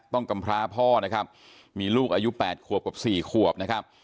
กำพร้าพ่อนะครับมีลูกอายุ๘ขวบกับ๔ขวบนะครับ